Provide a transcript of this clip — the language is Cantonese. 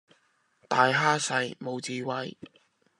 大蝦細，無智慧